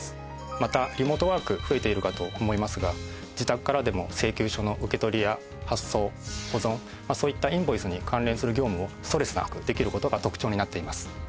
またリモートワーク増えているかと思いますが自宅からでも請求書の受け取りや発送保存そういったインボイスに関連する業務をストレスなくできる事が特長になっています。